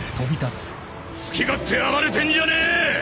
好き勝手暴れてんじゃねえ！